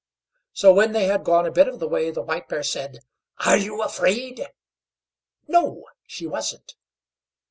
So, when they had gone a bit of the way, the White Bear said: "Are you afraid?" "No," she wasn't.